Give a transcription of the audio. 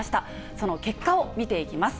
その結果を見ていきます。